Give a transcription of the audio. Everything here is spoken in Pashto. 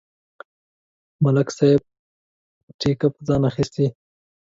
ملک صاحب ټېکه په ځان اخستې.